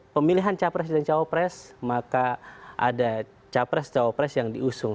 pemilihan capres dan cawapres maka ada capres cawapres yang diusung